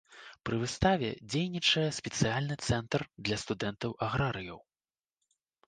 Пры выставе дзейнічае спецыяльны цэнтр для студэнтаў-аграрыяў.